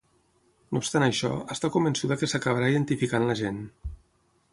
No obstant això, està convençuda que s’acabarà identificant l’agent.